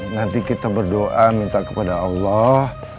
nanti kita berdoa minta kepada allah